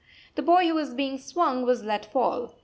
The boy who was being swung was let fall.